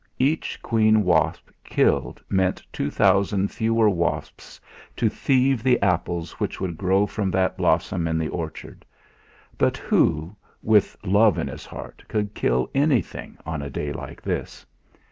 Each queen wasp killed meant two thousand fewer wasps to thieve the apples which would grow from that blossom in the orchard; but who, with love in his heart, could kill anything on a day like this?